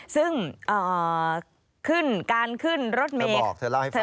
ซึ่งขึ้นการขึ้นรถเมย์บอกเธอเล่าให้ฟัง